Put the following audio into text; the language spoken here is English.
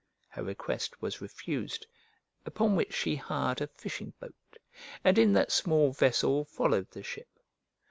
Her request was refused; upon which she hired a fishing boat, and in that small vessel followed the ship.